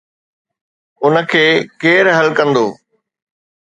ان کي ڪير حل ڪندو؟